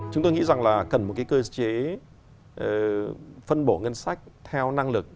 chúng tôi nghĩ rằng là cần một cái cơ chế phân bổ ngân sách theo năng lực